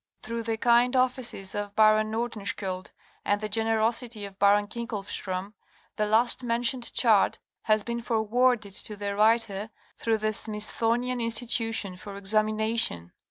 Through the kind offices of Baron Nordenskiéld and the generosity of Baron Klinckofstrém, the last mentioned chart has been forwarded to the writer through the Smithsonian Institution for examination.